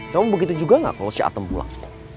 kamu begitu juga nggak kalau si atem pulang